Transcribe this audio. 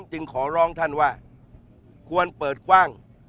หลองท่านว่าควรเปิดกว้าง